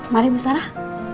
mari bu sarah